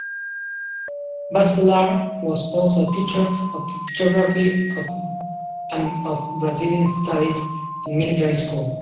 Bacellar was also a teacher of geography and of Brazilian Studies in military schools.